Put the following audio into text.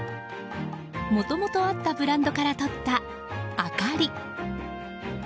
もともとあったブランドからとった、あかり。